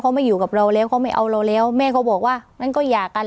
เขาไม่อยู่กับเราแล้วเขาไม่เอาเราแล้วแม่เขาบอกว่างั้นก็หย่ากัน